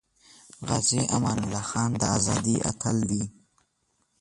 غازی امان الله خان د ازادی اتل دی